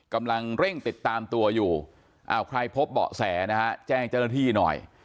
กำลังเร่งติดตามตัวอยู่ใครพบเบาะแสนะฮะแจ้งเจ้าหน้าที่หน่อย